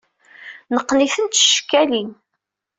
Neqqen-itent s tcekkalin.